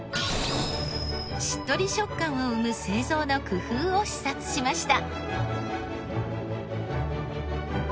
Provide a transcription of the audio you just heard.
しっとり食感を生む製造の工夫を視察しました。